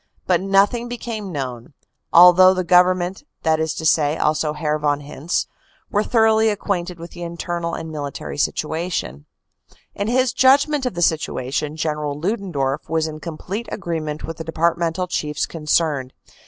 But nothing became known, although the Government that is to say, also Herr von Hintze were thoroughly acquainted with the internal and military situation. 280 CANADA S HUNDRED DAYS In his judgment of the situation, General Ludendorff was in complete agreement with the departmental chiefs concerned.